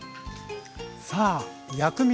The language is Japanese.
さあ薬味